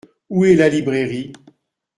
Où est la librairie ?